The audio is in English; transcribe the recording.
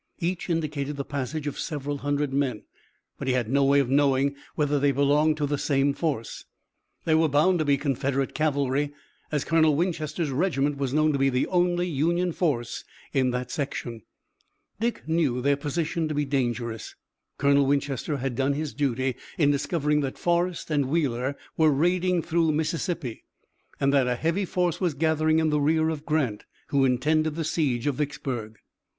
Each indicated the passage of several hundred men, but he had no way of knowing whether they belonged to the same force. They were bound to be Confederate cavalry as Colonel Winchester's regiment was known to be the only Union force in that section. Dick knew their position to be dangerous. Colonel Winchester had done his duty in discovering that Forrest and Wheeler were raiding through Mississippi, and that a heavy force was gathering in the rear of Grant, who intended the siege of Vicksburg.